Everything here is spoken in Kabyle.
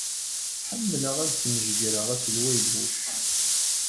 Ḥemmleɣ ad smejgreɣ Aselway Bush.